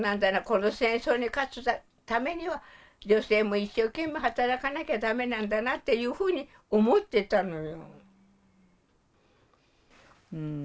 この戦争に勝つためには女性も一生懸命働かなきゃダメなんだなというふうに思ってたのよ。